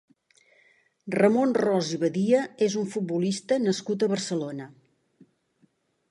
Ramon Ros i Badia és un futbolista nascut a Barcelona.